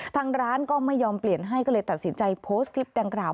ทางร้านก็ไม่ยอมเปลี่ยนให้ก็เลยตัดสินใจโพสต์คลิปดังกล่าว